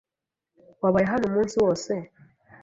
Wabaye hano umunsi wose?